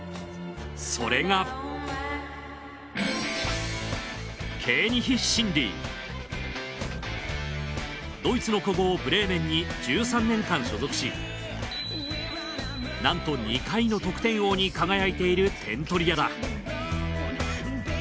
それがドイツの古豪ブレーメンに１３年間所属しなんと２回の得点王に輝いている点取り屋だ